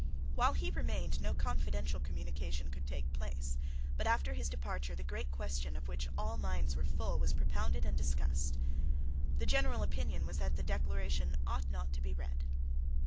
While he remained, no confidential communication could take place; but, after his departure, the great question of which all minds were full was propounded and discussed. The general opinion was that the Declaration ought not to be read.